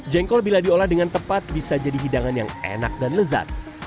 jengkol bila diolah dengan tepat bisa jadi hidangan yang enak dan lezat